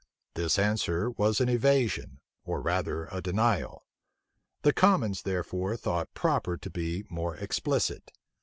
This answer was an evasion, or rather a denial. The commons, therefore, thought proper to be more explicit.